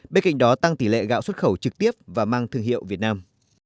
bên cạnh đó tăng tỷ lệ gạo xuất khẩu trực tiếp và mang thương hiệu việt nam